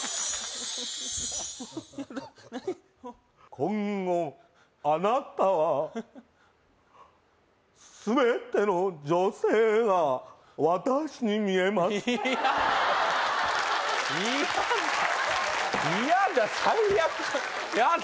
今後あなたは全ての女性が私に見えます嫌嫌だ嫌だ